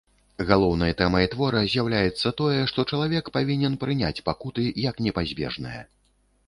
Галоўнай тэмай твора з'яўляецца тое, што чалавек павінен прыняць пакуты як непазбежнае.